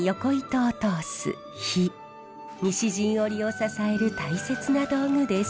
西陣織を支える大切な道具です。